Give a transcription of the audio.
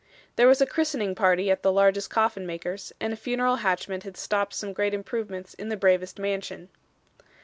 There was a christening party at the largest coffin maker's and a funeral hatchment had stopped some great improvements in the bravest mansion.